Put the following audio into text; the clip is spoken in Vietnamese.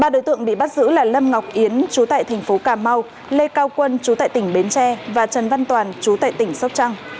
ba đối tượng bị bắt giữ là lâm ngọc yến chú tại thành phố cà mau lê cao quân chú tại tỉnh bến tre và trần văn toàn chú tại tỉnh sóc trăng